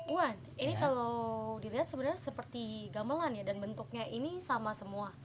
wan ini kalau dilihat sebenarnya seperti gamelan ya dan bentuknya ini sama semua